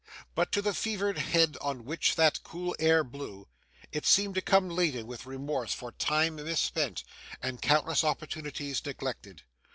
But to the fevered head on which that cool air blew, it seemed to come laden with remorse for time misspent and countless opportunities neglected.